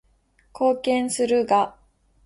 貢献するが